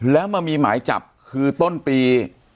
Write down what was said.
แล้วมันมีหมายจับคือต้นปี